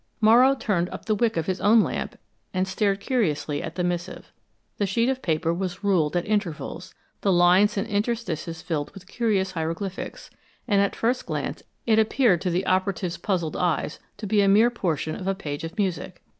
Morrow turned up the wick of his own lamp and stared curiously at the missive. The sheet of paper was ruled at intervals, the lines and interstices filled with curious hieroglyphics, and at a first glance it appeared to the operative's puzzled eyes to be a mere portion of a page of music.